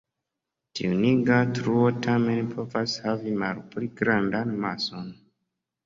Tiu nigra truo tamen povas havi malpli grandan mason.